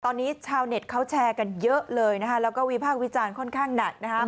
ตอนนี้ชาวเน็ตเขาแชร์กันเยอะเลยนะคะแล้วก็วิพากษ์วิจารณ์ค่อนข้างหนักนะครับ